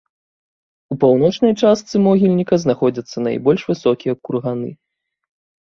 У паўночнай частцы могільніка знаходзяцца найбольш высокія курганы.